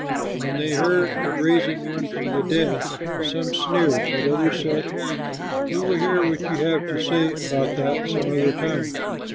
When they heard of raising one from the dead, some sneered, but others said, "We will hear what you have to say about that some other time."